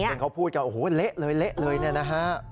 เพราะเขาพูดกันโอ้โฮเละเลยเลยนะครับ